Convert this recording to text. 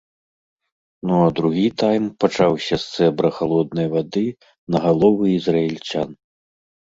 Ну, а другі тайм пачаўся з цэбра халоднай вады на галовы ізраільцян.